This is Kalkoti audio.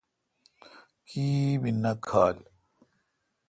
کی بھی نہ کھال۔